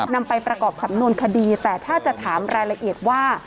นำไปประกอบสำนวนคดีแต่ถ้าจะถามรายละเอียดว่า